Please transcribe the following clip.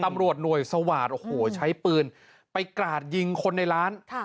ตำรวจหน่วยสวาสตร์โอ้โหใช้ปืนไปกราดยิงคนในร้าน